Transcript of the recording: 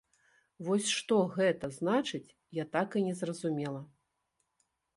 Вось што гэта значыць, я так і не зразумела.